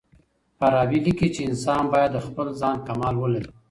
فارابي ليکي چي انسان بايد د خپل ځان کمال ولري.